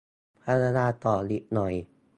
พยายามต่ออีกหน่อย